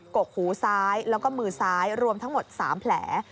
กกหูซ้ายแล้วก็มือซ้ายรวมทั้งหมด๓แผล